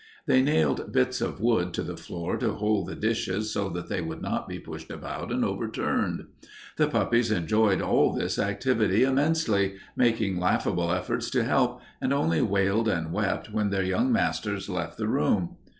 They nailed bits of wood to the floor to hold the dishes so that they would not be pushed about and overturned. The puppies enjoyed all this activity immensely, making laughable efforts to help, and only wailed and wept when their young masters left the room.